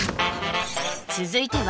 続いては